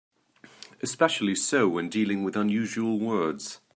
Especially so when dealing with unusual words.